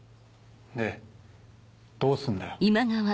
でどうすんだよ？